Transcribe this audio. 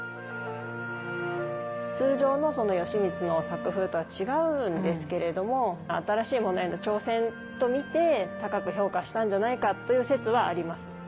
通常のその吉光の作風とは違うんですけれども新しいものへの挑戦と見て高く評価したんじゃないかという説はあります。